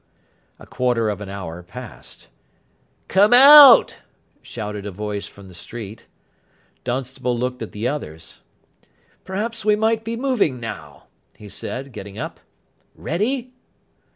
A quarter of an hour passed. "Kerm out," shouted a voice from the street. Dunstable looked at the others. "Perhaps we might be moving now," he said, getting up "Ready?"